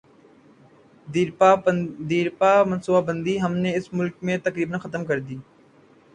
دیرپا منصوبہ بندی ہم نے اس ملک میں تقریبا ختم کر دی ہے۔